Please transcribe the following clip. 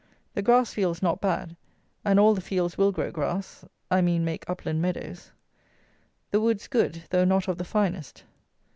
The grass fields not bad, and all the fields will grow grass; I mean make upland meadows. The woods good, though not of the finest.